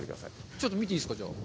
ちょっと見ていいですか。